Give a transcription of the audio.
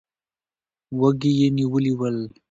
وږي یې نیولي ول.